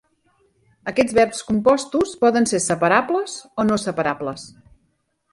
Aquests verbs compostos poden ser separables o no separables.